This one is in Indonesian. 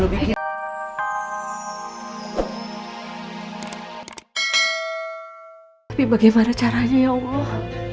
tapi bagaimana caranya ya allah